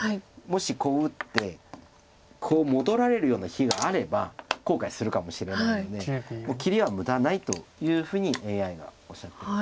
もしこう打ってこう戻られるような日があれば後悔するかもしれないので切りは無駄ないというふうにＡＩがおっしゃってる。